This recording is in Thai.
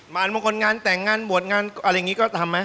บางคนงานแต่งงานบวชงานอะไรอย่างนี้ก็ทำไหม